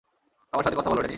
আমার সাথে কথা বলো, ড্যানি।